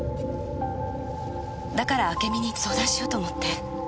だからあけみに相談しようと思って。